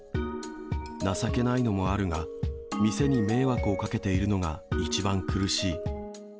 情けないのもあるが、店に迷惑をかけているのが一番苦しい。